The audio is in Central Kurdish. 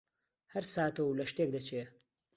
هەر ساتە و لە شتێک دەچێ: